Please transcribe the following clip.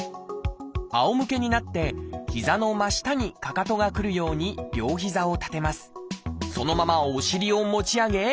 仰向けになって膝の真下にかかとがくるように両膝を立てます。